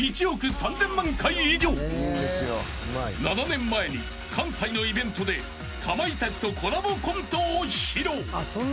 ［７年前に関西のイベントでかまいたちとコラボコントを披露］